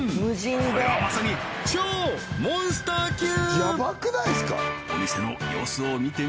これはまさに超モンスター級！